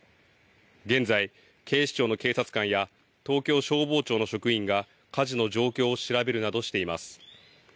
現在、警視庁の警察官や東京消防庁の職員が火事の状況を調べるなどしています。